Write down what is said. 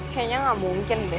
kayaknya gak mungkin deh